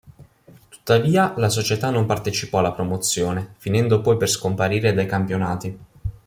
Tuttavia la società non partecipò alla Promozione, finendo poi per scomparire dai campionati.